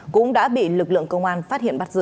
cũng đã bị lực lượng công an phát hiện bắt giữ